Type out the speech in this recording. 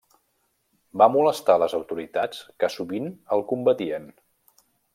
Va molestar a les autoritats que sovint el combatien.